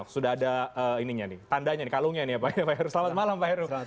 sudah ada kalungnya nih pak heru selamat malam pak heru